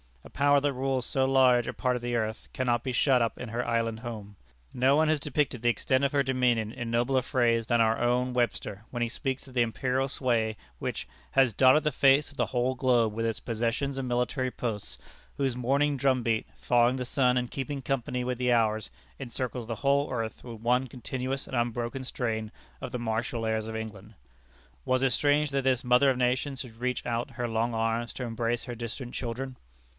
A power that rules so large a part of the earth cannot be shut up in her island home. No one has depicted the extent of her dominion in nobler phrase than our own Webster when he speaks of the imperial sway which "has dotted the face of the whole globe with its possessions and military posts, whose morning drumbeat, following the sun and keeping company with the hours, encircles the whole earth with one continuous and unbroken strain of the martial airs of England." Was it strange that this mother of nations should reach out her long arms to embrace her distant children?